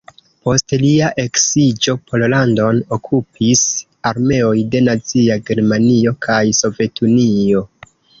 Post lia eksiĝo Pollandon okupis armeoj de Nazia Germanio kaj Sovetunio.